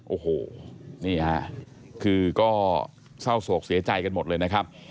โอ้โหนี่ฮะคือก็เศร้าโศกเสียใจกันหมดเลยนะครับ